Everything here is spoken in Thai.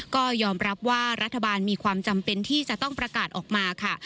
ก็ยอมรับว่ารัฐบาลมีความจำเป็นที่จะต้องประกาศออกมาค่ะ